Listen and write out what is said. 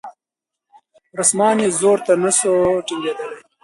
رستمان یې زور ته نه سوای ټینګېدلای